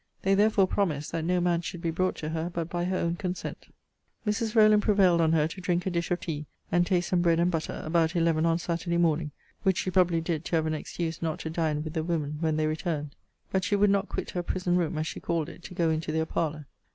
They therefore promised, that no man should be brought to her but by her own consent. Mrs. Rowland prevailed on her to drink a dish of tea, and taste some bread and butter, about eleven on Saturday morning: which she probably did to have an excuse not to dine with the women when they returned. But she would not quit her prison room, as she called it, to go into their parlour.